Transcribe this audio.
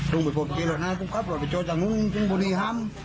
ลุงไปพบเจรวรรดินะต้องขับหล่อไปจอจังหุ้นจึงบริหาร